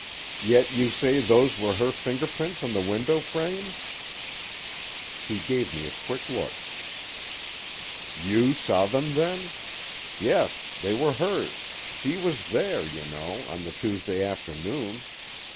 "Yet you say those were her fingerprints on the window frame?" He gave me a quick look. "You saw them, then? Yes, they were hers, she was there, you know, on the Tuesday afternoon.